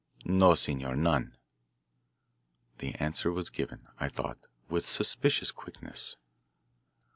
"No, senor, none." This answer was given, I thought, with suspicious quickness.